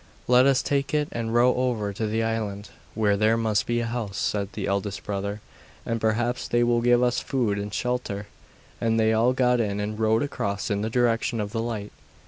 'Let us take it and row over to the island, where there must be a house,' said the eldest brother; 'and perhaps they will give us food and shelter.' And they all got in and rowed across in the direction of the light.